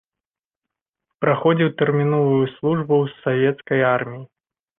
Праходзіў тэрміновую службу ў савецкай арміі.